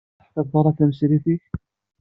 Ur teḥfiḍeḍ ara tamsirt-ik?